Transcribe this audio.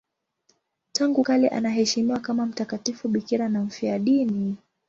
Tangu kale anaheshimiwa kama mtakatifu bikira na mfiadini.